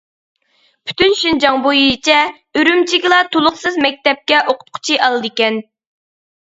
پۈتۈن شىنجاڭ بويىچە ئۈرۈمچىگىلا تولۇقسىز مەكتەپكە ئوقۇتقۇچى ئالىدىكەن.